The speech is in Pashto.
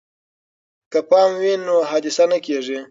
که پام وي نو حادثه نه کیږي.